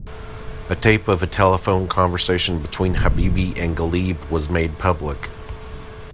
A tape of a telephone conversation between Habibie and Ghalib was made public.